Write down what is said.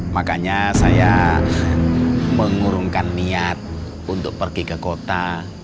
makanya saya mengurungkan niat untuk pergi ke kota